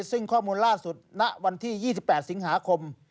ซึ่งข้อมูลล่าสุดณวันที่๒๘สิงหาคม